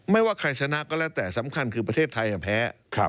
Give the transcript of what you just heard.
ว่าใครชนะก็แล้วแต่สำคัญคือประเทศไทยแพ้